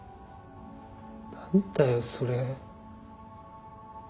何だよそれ。